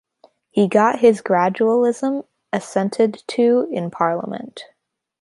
He got his gradualism assented to in Parliament.